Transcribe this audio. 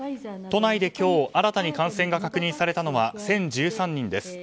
都内で今日新たに感染が確認されたのは１０１３人です。